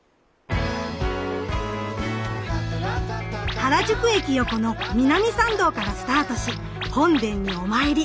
原宿駅横の南参道からスタートし本殿にお参り。